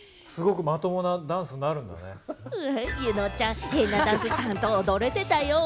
柚乃ちゃん、変なダンスちゃんと踊れてたよ。